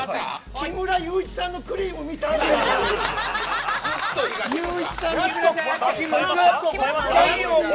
木村祐一さんがクリーム見たいねん。